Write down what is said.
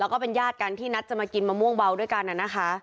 แล้วก็เป็นญาติกันที่นัดจะมากินมะม่วงเบาด้วยกันนะคะ